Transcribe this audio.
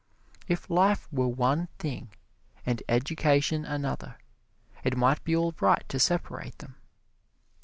If life were one thing and education another, it might be all right to separate them.